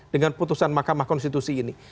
dengan putusan mahkamah konstitusi ini